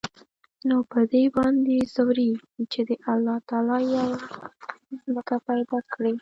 نو په دې باندې ځوريږي چې د الله تعال يوه ځمکه پېدا کړى.